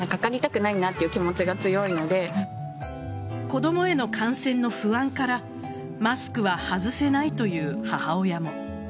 子供への感染の不安からマスクは外せないという母親も。